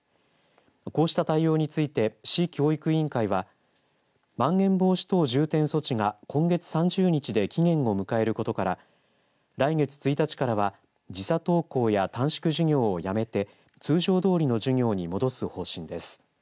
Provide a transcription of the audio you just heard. こうした対応について市教育委員会はまん延防止等重点措置が今月３０日で期限を迎えることから来月１日からは時差登校や短縮授業をやめて通常どおりの授業に戻す方針です。